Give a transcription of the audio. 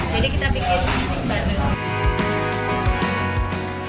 jadi kita bikin stik bandeng